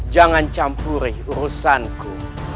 jangan campuri urusanku